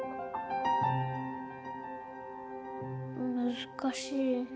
難しい。